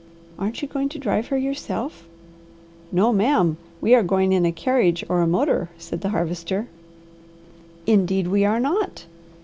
"Aren't you going to drive her yourself?" "No ma'am! We are going in a carriage or a motor," said the Harvester. "Indeed we are not!"